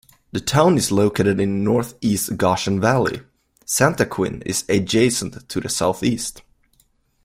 The town is located in northeast Goshen Valley; Santaquin is adjacent to the southeast.